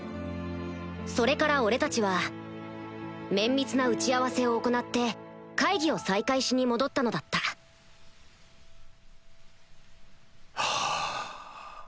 それから俺たちは綿密な打ち合わせを行って会議を再開しに戻ったのだったはぁ。